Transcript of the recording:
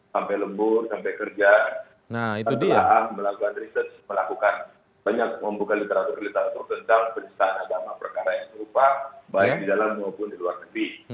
sampai lembur sampai kerja setelah melakukan research melakukan banyak membuka literatur literatur tentang penistaan agama perkara yang serupa baik di dalam maupun di luar negeri